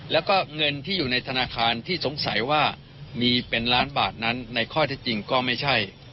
แล้วก็เงินที่อยู่ในธนาคารที่สงสัยว่ามีเป็นล้านบาทนั้นในข้อเท็จจริงก็ไม่ใช่